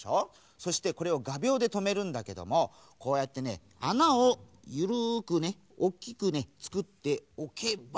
そしてこれをがびょうでとめるんだけどもこうやってねあなをゆるくねおっきくねつくっておけば。